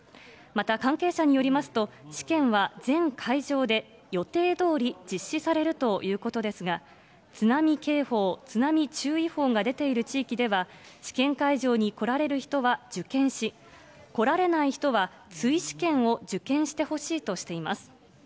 また、関係者によりますと、試験は全会場で予定どおり実施されるということですが、津波警報、津波注意報が出ている地域では、試験会場に来られる人は受験し、来られない人は追試験を受験してほしいとしています。